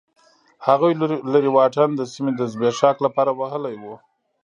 هغوی لرې واټن د سیمې د زبېښاک لپاره وهلی و.